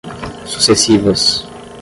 sucessivas